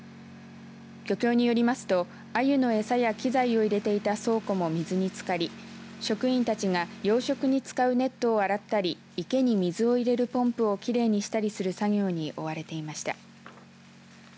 漁協によりますとアユの餌や機材を入れていた倉庫も水につかり職員たちが養殖に使うネットを洗ったり池に水を入れるポンプをきれいにしたりする作業に追われていました。